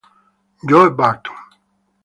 Joe Burton